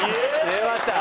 出ました！